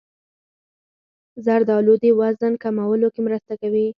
زردالو د وزن کمولو کې مرسته کوي.